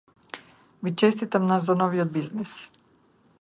Ви честитам за новиот бизнис.